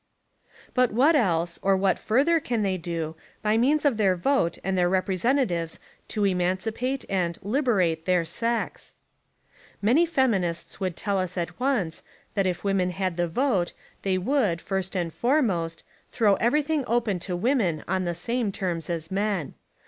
But what else, or what further can they do, by means of their vote and their representa tives to "emancipate" and "liberate" their sex? Many feminists would tell us at once that if women had the vote they would, first and foremost, throw everything open to women on the same terms as men.